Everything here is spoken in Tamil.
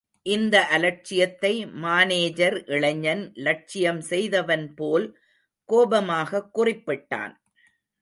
இந்த அலட்சியத்தை மானேஜர் இளைஞன் லட்சியம் செய்தவன்போல், கோபமாகக் குறிப்பிட்டான்.